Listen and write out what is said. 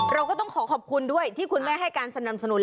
เราก็ต้องขอขอบคุณด้วยที่คุณแม่ให้การสนับสนุน